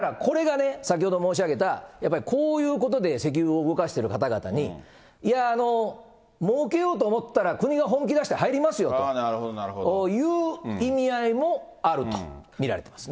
だからこれがね、先ほど申し上げた、やっぱりこういうことで石油を動かしている方々に、いや、もうけようと思ったら、国が本気出して入りますよという意味合いもあると見られてますね。